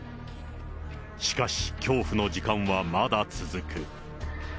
しかし、恐怖の時間はまだ続く。